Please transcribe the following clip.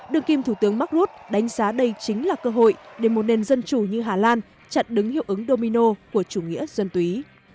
được kim thủ tướng mark rutte đánh giá đây chính là cơ hội để một nền dân chủ như hà lan chặn đứng hiệu ứng domino của chủ nghĩa dân túy